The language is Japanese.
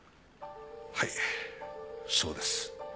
はいそうです。